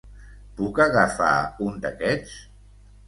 Puc agafar un d'aquests?